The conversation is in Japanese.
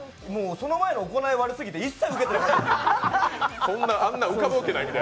その前の行い悪すぎて、一切ウケてない。